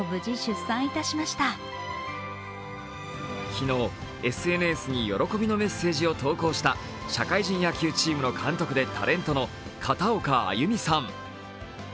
昨日、ＳＮＳに喜びのメッセージを投稿した社会人野球チームの監督でタレントの片岡安祐美さん。